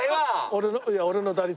いや俺の打率。